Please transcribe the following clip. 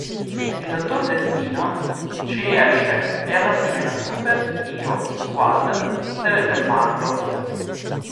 Il Dottor Destino ci riesce e alla fine la Super Hero Squad deve fermarlo.